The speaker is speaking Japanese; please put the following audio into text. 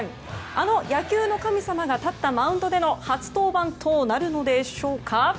あの野球の神様が立ったマウンドでの初登板となるのでしょうか。